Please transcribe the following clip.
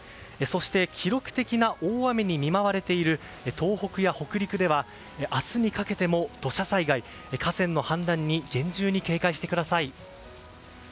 そして記録的な大雨に見舞われている東北や北陸では明日にかけても土砂災害河川の氾濫に厳重に警戒してください。